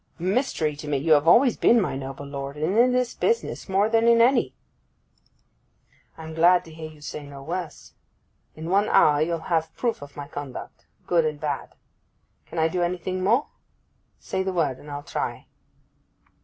A mystery to me you have always been, my noble lord, and in this business more than in any.' 'I am glad to hear you say no worse. In one hour you'll have proof of my conduct—good and bad. Can I do anything more? Say the word, and I'll try.